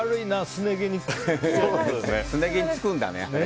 すね毛につくんだね。